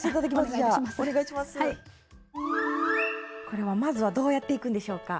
これはまずはどうやっていくんでしょうか？